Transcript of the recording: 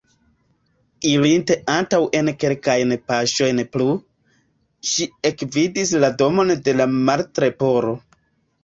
Irinte antaŭen kelkajn paŝojn plu, ŝi ekvidis la domon de la Martleporo.